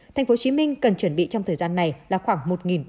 tp hcm cần chuẩn bị trong thời gian này là khoảng một bảy trăm linh